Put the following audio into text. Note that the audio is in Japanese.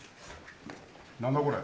何だこれ。